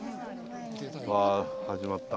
わ始まった。